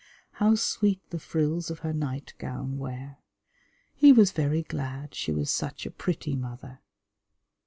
How sweet the frills of her night gown were. He was very glad she was such a pretty mother.